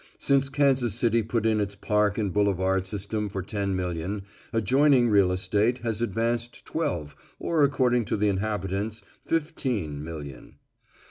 Since Kansas City put in its park and boulevard system for ten million, adjoining real estate has advanced twelve, or according to the inhabitants, fifteen million.